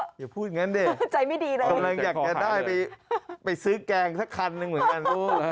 อย่าพูดงั้นสิกำลังอยากจะได้ไปซื้อแกงสักครั้งหนึ่งเหมือนกัน